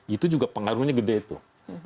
itu juga pengaruhnya gede itu